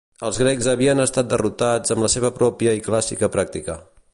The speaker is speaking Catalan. Els grecs havien estat derrotats amb la seva pròpia i clàssica pràctica.